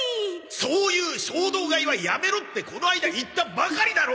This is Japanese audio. そういう衝動買いはやめろってこの間言ったばかりだろ！